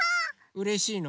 うれしいの？